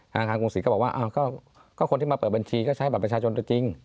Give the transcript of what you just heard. ธนาคารกรุงศิษย์ก็บอกว่าก็คนที่มาเปิดบัญชีก็ใช้บัตรประชาชนตัวจริง